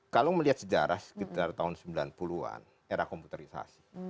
kalau melihat sejarah sekitar tahun sembilan puluh an era komputerisasi